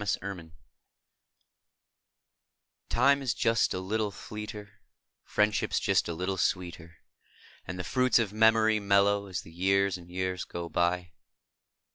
A597234 IME is "just a little fleeter; priendship just a little sweeter; And the jruits of memoru mellcrcO ' I As the Ljears and Ejears ao btj.